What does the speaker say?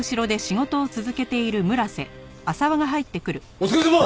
お疲れさま！